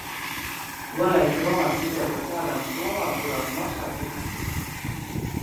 Varēja domāt tikai par tādām skolām, kurās maksā stipendiju.